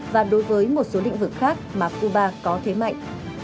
và đối với một số lĩnh vực khác mà cuba có thế mạnh